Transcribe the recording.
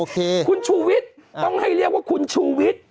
คุณชูวิทย์ต้องให้เรียกว่าคุณชูวิทย์